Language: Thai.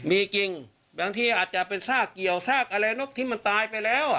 มีจริงบางทีอาจจะเป็นซากเกี่ยวซากอะไรนกที่มันตายไปแล้ว